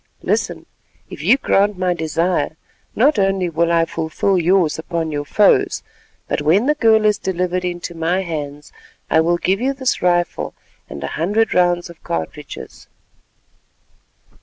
Listen: if you grant my desire, not only will I fulfil yours upon your foes, but when the girl is delivered into my hands I will give you this rifle and a hundred rounds of cartridges."